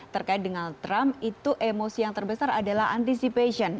terkait dengan trump itu emosi yang terbesar adalah anticipation